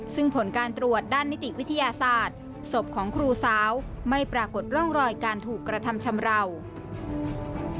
ซึ่งผลการตรวจด้านนิติวิทยาศาสตร์ศพของครูสาวไม่ปรากฏร่องรอยการถูกกระทำชำราว